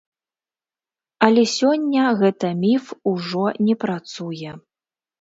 Але сёння гэта міф ужо не працуе.